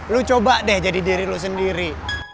lu coba deh jadi diri lo sendiri